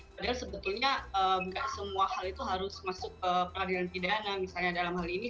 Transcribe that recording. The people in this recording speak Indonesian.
padahal sebetulnya nggak semua hal itu harus masuk ke pengadilan pidana misalnya dalam hal ini